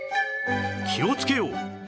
気をつけよう！